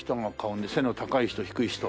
背の高い人低い人。